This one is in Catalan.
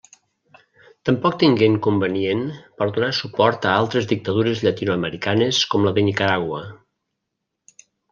Tampoc tingué inconvenient per donar suport a altres dictadures llatinoamericanes, com la de Nicaragua.